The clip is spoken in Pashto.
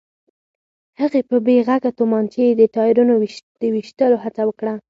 هغې په بې غږه تومانچې د ټايرونو د ويشتلو هڅه وکړه.